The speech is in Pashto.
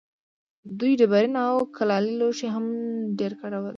دوی ډبرین او کلالي لوښي هم ډېر کارول.